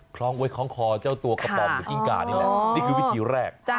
พลองไว้คลองคอเจ้าตัวกระป๋อหรือกิ้งกา